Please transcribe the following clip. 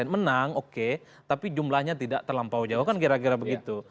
menang oke tapi jumlahnya tidak terlampau jauh kan kira kira begitu